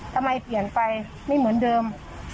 ทำไมเปลี่ยนไปไม่เหมือนเดิม